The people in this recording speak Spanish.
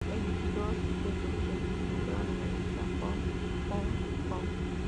Veintidós de sus sencillos entraron en la lista Hot Country Songs.